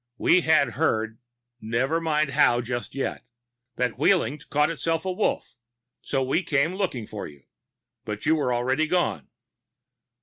We had heard never mind how just yet that Wheeling'd caught itself a Wolf, so we came looking for you. But you were already gone."